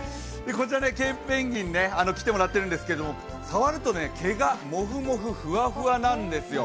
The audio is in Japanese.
ケープペンギンに来てもらっているんですけど、触ると毛がもふもふ、ふわふわなんですよ。